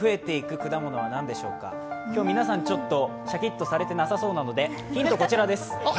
今日、皆さんちょっとシャキッとされてなさそうなので、ヒントこちらです。